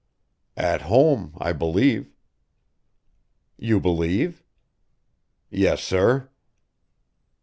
"At home I believe." "You believe?" "Yes, sir."